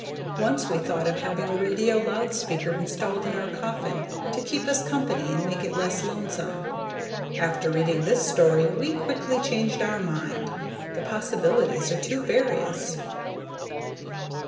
Once we thought of having a radio loud speaker installed in our coffin to keep us company and make it less lonesome. After reading this story we quickly changed our mind. The possibilities are too various.